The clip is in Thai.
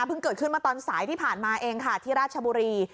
เกิดขึ้นมาตอนสายที่ผ่านมาเองค่ะที่ราชบุรี